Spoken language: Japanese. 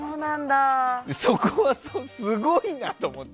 そこは、すごいな！と思って。